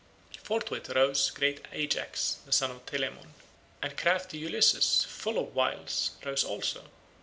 Forthwith uprose great Ajax the son of Telamon, and crafty Ulysses, full of wiles, rose also.